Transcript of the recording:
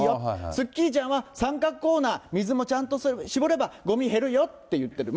スッキリちゃんは三角コーナー、水もちゃんと絞ればごみ減るよって言ってる。